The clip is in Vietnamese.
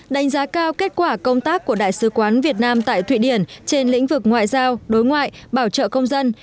đánh giá cao kết quả công tác của đại sứ quán việt nam tại thụy điển trên lĩnh vực ngoại giao đối ngoại bảo trợ công dân